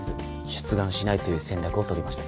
出願しないという戦略を取りました。